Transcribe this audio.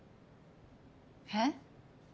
えっ？